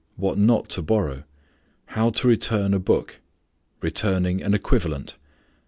_ What not to borrow. How to return a book. _Returning an equivalent.